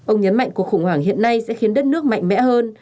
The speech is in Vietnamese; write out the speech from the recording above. ông nhấn mạnh cuộc khủng hoảng hiện nay sẽ khiến đất nước mạnh mẽ hơn